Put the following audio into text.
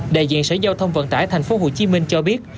đại diện sở giao thông vận tải thành phố hồ chí minh cho biết